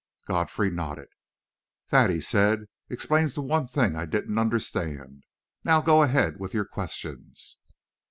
Godfrey nodded. "That," he said, "explains the one thing I didn't understand. Now go ahead with your questions."